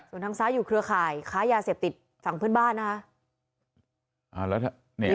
ส่วนทางซ้ายอยู่เครือข่ายค้ายาเสพติดฝั่งเพื่อนบ้านนะคะ